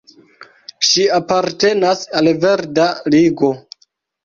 Ŝi apartenas al verda Ligo.